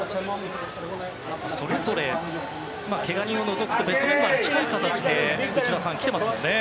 それぞれけが人を除くとベストメンバーに近い形で来ていますよね。